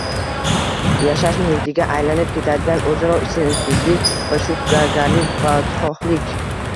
yashash muhitiga aylanib ketadigan o‘zaro ishonchsizlik va shubhagarlik, badxohlik;